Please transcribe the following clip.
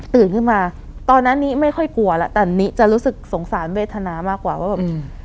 ขึ้นมาตอนนั้นนิไม่ค่อยกลัวแล้วแต่นิจะรู้สึกสงสารเวทนามากกว่าว่าแบบอืม